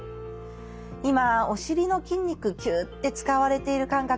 今お尻の筋肉キュッて使われている感覚